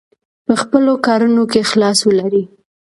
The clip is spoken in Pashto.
په خپلو کړنو کې اخلاص ولرئ.